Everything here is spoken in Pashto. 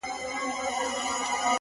ټول عمر ښېرا کوه دا مه وايه ـ